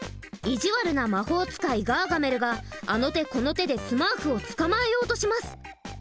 意地悪な魔法使いガーガメルがあの手この手でスマーフをつかまえようとします。